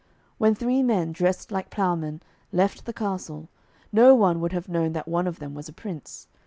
When three men, dressed like ploughmen, left the castle, no one would have known that one of them was a prince.